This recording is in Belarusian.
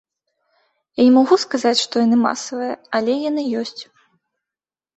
Я не магу сказаць, што яны масавыя, але яны ёсць.